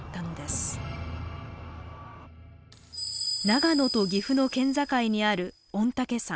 長野と岐阜の県境にある御嶽山。